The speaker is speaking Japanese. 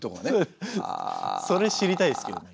それ知りたいですけどね。